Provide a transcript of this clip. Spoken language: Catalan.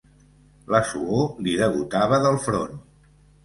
La suor li degotava del front.